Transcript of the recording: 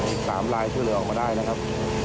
อีก๓ลายช่วยเหลือออกมาได้นะครับ